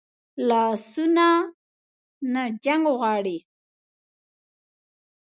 لاسونه نه جنګ غواړي